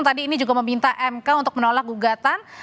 tadi ini juga meminta mk untuk menolak gugatan